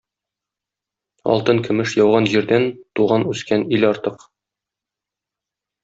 Алтын-көмеш яуган җирдән туган-үскән ил артык.